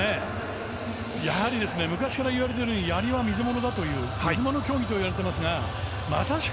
やはり昔から言われているように、やりは水もの競技といわれていますがまさしく